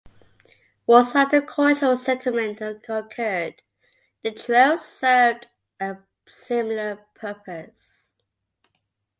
Once agricultural settlement occurred, the trail served a similar purpose.